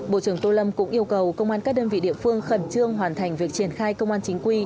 bộ trưởng tô lâm cũng yêu cầu công an các đơn vị địa phương khẩn trương hoàn thành việc triển khai công an chính quy